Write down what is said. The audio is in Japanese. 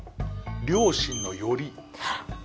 両親の寄り。